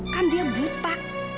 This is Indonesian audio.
kan dia buta